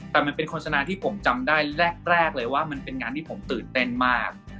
แต่มันเป็นโฆษณาที่ผมจำได้แรกเลยว่ามันเป็นงานที่ผมตื่นเต้นมาก